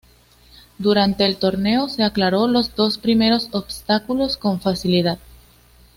Durante el torneo, se aclaró los dos primeros obstáculos con facilidad.